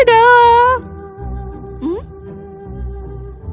nanti aku akan mencari